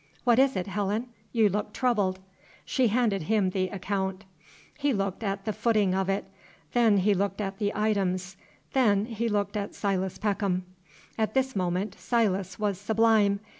"What is it, Helen? You look troubled." She handed him the account. He looked at the footing of it. Then he looked at the items. Then he looked at Silas Peckham. At this moment Silas was sublime.